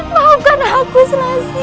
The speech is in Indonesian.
maafkan aku selasi